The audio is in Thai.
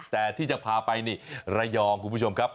แต่ที่จะพาไปนี่ระยองคุณผู้ชมครับ